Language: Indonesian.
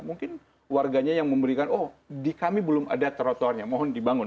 mungkin warganya yang memberikan oh di kami belum ada trotoarnya mohon dibangun